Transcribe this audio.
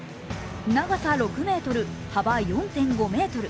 長さ６ｍ、幅４．５ｍ。